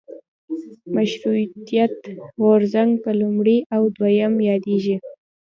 مشروطیت غورځنګ په لومړي او دویم یادېږي.